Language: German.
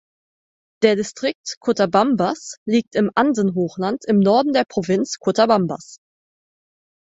Der Distrikt Cotabambas liegt im Andenhochland im Norden der Provinz Cotabambas.